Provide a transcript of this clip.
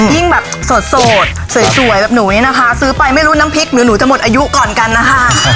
ยิ่งแบบสดสวยแบบหนูเนี่ยนะคะซื้อไปไม่รู้น้ำพริกหรือหนูจะหมดอายุก่อนกันนะคะ